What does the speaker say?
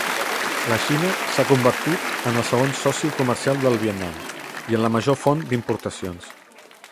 La Xina s'ha convertit en el segon soci comercial del Vietnam i en la major font d'importacions.